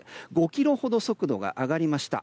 ５キロほど速度が上がりました。